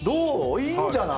いいんじゃない？